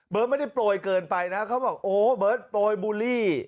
เบอร์ดไม่ได้ปล่อยเกินไปนะเขาบอกโอ้เบอร์ดปล่อยบูลลี่